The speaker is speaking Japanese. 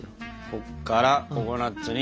こっからココナツに。